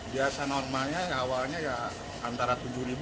biasa normalnya awalnya ya antara tujuh